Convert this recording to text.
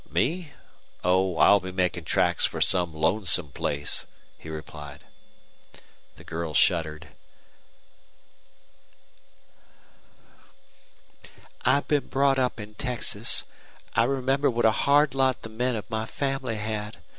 "Me? Oh, I'll be making tracks for some lonesome place," he replied. The girl shuddered. "I've been brought up in Texas. I remember what a hard lot the men of my family had.